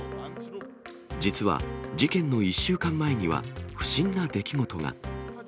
実は、事件の１週間前には不審な出来事が。